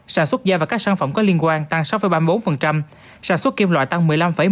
sản xuất da và các sản phẩm có liên quan tăng sáu ba mươi bốn sản xuất kim loại tăng một mươi năm một mươi bốn